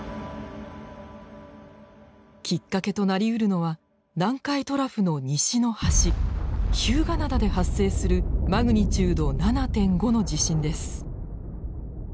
きっかけとなりうるのは南海トラフの西の端日向灘で発生するマグニチュード７．５の地震です。